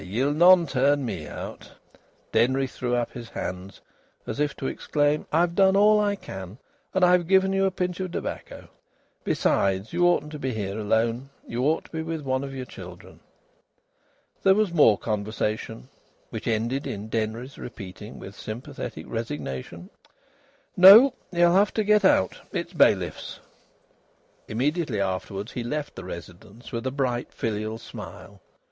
Ye'll none turn me out." Denry threw up his hands, as if to exclaim: "I've done all I can, and I've given you a pinch of tobacco. Besides, you oughtn't to be here alone. You ought to be with one of your children." There was more conversation, which ended in Denry's repeating, with sympathetic resignation: "No, you'll have to get out. It's bailiffs." Immediately afterwards he left the residence with a bright filial smile.